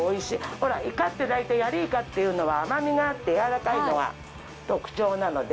ほらイカってだいたいヤリイカっていうのは甘みがあってやわらかいのが特徴なので。